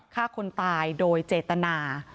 ฆ่าคนตายโดยเจตนา